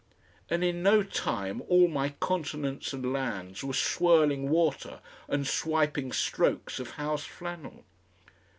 And in no time all my continents and lands were swirling water and swiping strokes of house flannel.